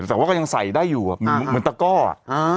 แต่ว่าก็ยังใส่ได้อยู่เหมือนตะก้ออ่ะ